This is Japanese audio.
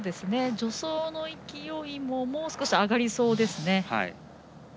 助走の勢いももう少し上がりそうですね。